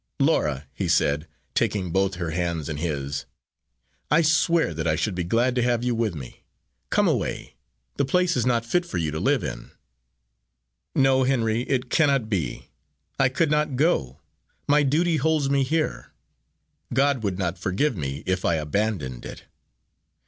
"Laura," he said, taking both her hands in his, "I swear that I should be glad to have you with me. Come away! The place is not fit for you to live in!" "No, Henry! it cannot be! I could not go! My duty holds me here! God would not forgive me if I abandoned it.